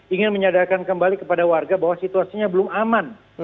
ingin menyadarkan kembali kepada warga bahwa situasinya belum aman